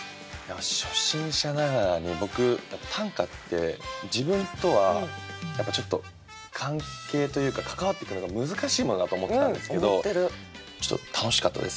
初心者ながらに僕短歌って自分とはやっぱちょっと関係というか関わっていくのが難しいものだと思ってたんですけどちょっと楽しかったです